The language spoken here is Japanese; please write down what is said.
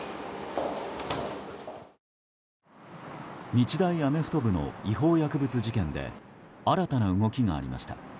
日大アメフト部の違法薬物事件で新たな動きがありました。